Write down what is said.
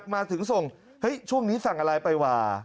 มาถึงส่งเฮ้ยช่วงนี้สั่งอะไรไปว่ะ